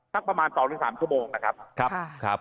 ตั้งประมาณต่อการหรือ๓ชั่วโมงนะครับ